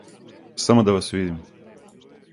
Само да вас видим.